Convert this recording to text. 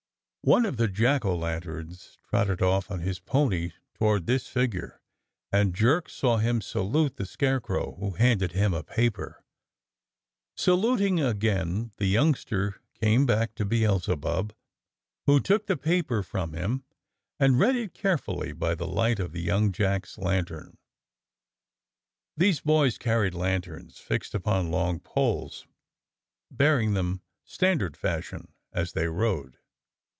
One of the jack o' lanterns trotted off on his pony toward this figure, and Jerk saw him salute the Scare crow, who handed him a paper. Saluting again, the youngster came back to Beelzebub, who took the paper from him and read it carefully by the light of the young jack's lantern. These boys carried lanterns fixed upon long poles, bearing them standard fashion as they rode.